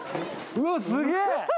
うわっすげ。